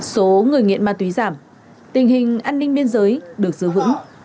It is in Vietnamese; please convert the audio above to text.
số người nghiện ma túy giảm tình hình an ninh biên giới được giữ vững